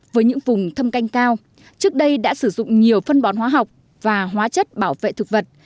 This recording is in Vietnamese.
với những vùng thâm canh cao trước đây đã sử dụng nhiều phân bón hóa học và hóa chất bảo vệ thực vật